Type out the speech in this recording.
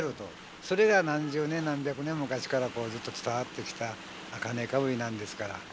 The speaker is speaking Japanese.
それが何十年何百年昔からずっと伝わってきた茜かぶりなんですから。